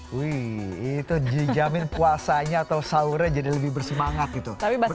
hai wih itu jamin puasanya atau sahurnya jadi lebih bersemangat gitu tapi bahasa